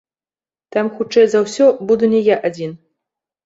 Там, хутчэй за ўсё, буду не я адзін.